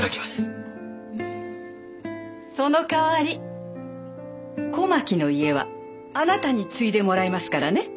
そのかわり小牧の家はあなたに継いでもらいますからね。